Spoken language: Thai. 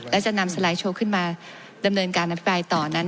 และจะนำสไลด์โชว์ขึ้นมาดำเนินการอภิปรายต่อนั้น